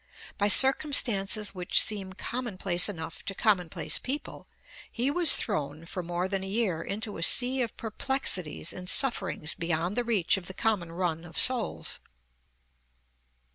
By circumstances which seem commonplace enough to commonplace people, he was thrown for more than a year into a sea of perplexities and sufferings beyond the reach of the common run of souls.